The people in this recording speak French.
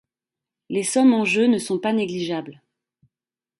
Les sommes en jeu ne sont pas négligeables.